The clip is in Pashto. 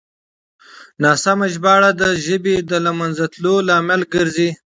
ناسمه ژباړه د ژبې د له منځه تللو لامل ګرځي.